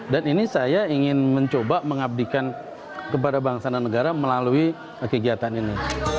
dan ini saya ingin mencoba mengabdikan kepada bangsa dan negara melalui kegiatan ini